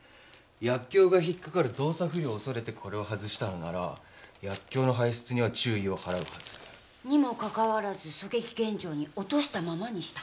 薬莢が引っかかる動作不良を恐れてこれを外したのなら薬莢の排出には注意を払うはず。にもかかわらず狙撃現場に落としたままにした。